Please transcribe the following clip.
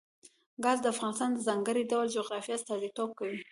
ګاز د افغانستان د ځانګړي ډول جغرافیه استازیتوب کوي.